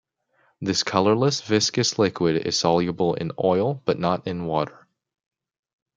This colorless viscous liquid is soluble in oil, but not in water.